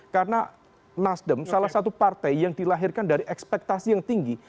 karena nasdem salah satu partai yang dilahirkan dari ekspektasi yang tinggi